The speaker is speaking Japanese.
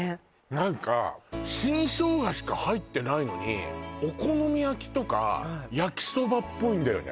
何か新生姜しか入ってないのにお好み焼きとか焼きそばっぽいんだよね